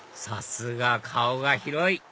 さすが顔が広い！